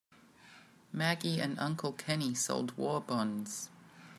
Maggie and Uncle Kenny sold war bonds.